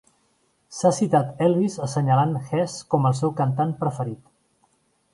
S'ha citat Elvis assenyalant Hess com el seu cantant preferit.